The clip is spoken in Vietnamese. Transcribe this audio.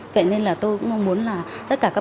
vậy nên là tôi cũng mong muốn là